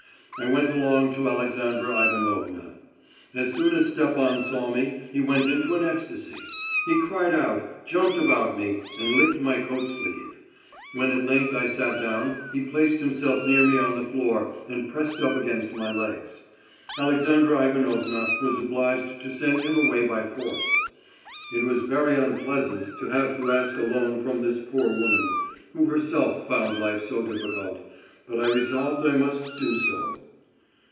I went along to Alexandra Ivanovna. As soon as Stepan saw me he went into an ecstasy. He cried out, jumped about me, and licked my coat sleeve. When at length I sat down he placed himself near me on the floor and pressed up against my legs. Alexandra Ivanovna was obliged to send him away by force. "It was very unpleasant to have to ask a loan from this poor woman, who herself found life so difficult, but I resolved I must do so.